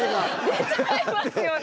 出ちゃいますよね。